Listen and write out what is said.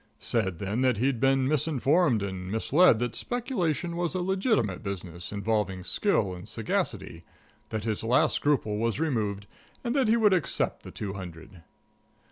Said then that he'd been misinformed and misled; that speculation was a legitimate business, involving skill and sagacity; that his last scruple was removed, and that he would accept the two hundred.